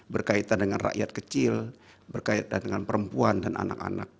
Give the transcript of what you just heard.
berkaitan dengan rakyat kecil berkaitan dengan perempuan dan anak anak